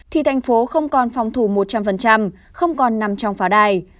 thì tp hcm không còn phòng thủ một trăm linh không còn nằm trong pháo đài